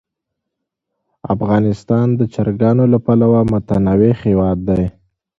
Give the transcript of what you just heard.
افغانستان د چرګانو له پلوه متنوع هېواد دی.